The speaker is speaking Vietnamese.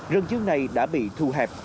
rừng dương này đã bị thu hẹp